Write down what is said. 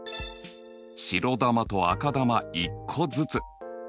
白球と赤球１個ずつ。